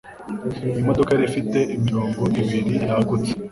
Imodoka yari ifite imirongo ibiri yagutse